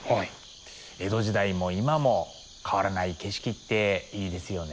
江戸時代も今も変わらない景色っていいですよね。